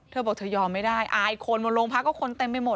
เธอบอกเธอยอมไม่ได้อายคนบนโรงพักก็คนเต็มไปหมด